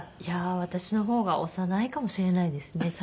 いやー私の方が幼いかもしれないですね。